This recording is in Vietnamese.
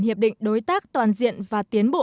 hiệp định đối tác toàn diện và tiến bộ